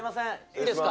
いいですか？